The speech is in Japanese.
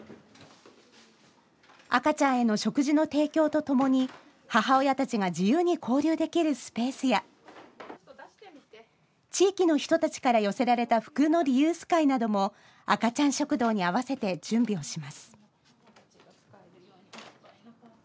赤ちゃんへの食事の提供とともに母親たちが自由に交流できるスペースや地域の人たちから寄せられた服のリユース会なども赤ちゃん食堂に合わせて準備をします。